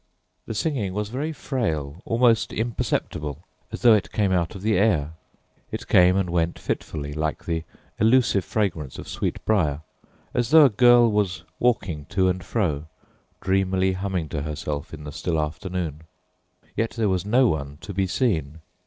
The singing was very frail, almost imperceptible, as though it came out of the air. It came and went fitfully, like the elusive fragrance of sweetbrier as though a girl was walking to and fro, dreamily humming to herself in the still afternoon. Yet there was no one to be seen.